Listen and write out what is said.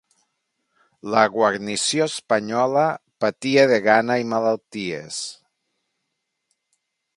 La guarnició espanyola, patia de gana i malalties.